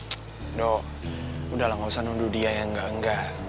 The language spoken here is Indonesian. ck do udah lah gak usah nundur dia ya enggak enggak